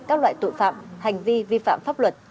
các loại tội phạm hành vi vi phạm pháp luật